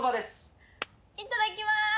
いただきまーす！